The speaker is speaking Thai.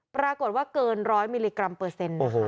ปรากฏว่าเกิน๑๐๐มิลลิกรัมเปอร์เซ็นต์นะคะ